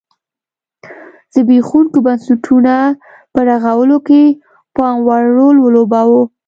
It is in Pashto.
زبېښونکي بنسټونه په رغولو کې پاموړ رول ولوباوه.